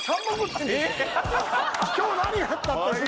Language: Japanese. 「今日何やった？」って振って。